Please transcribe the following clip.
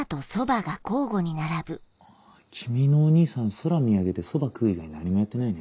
君のお兄さん空見上げてソバ食う以外何もやってないね。